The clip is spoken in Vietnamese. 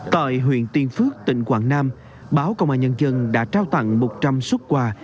tại huyện tiên phước tỉnh quảng nam báo công an nhân dân đã trao tặng một trăm linh xuất quà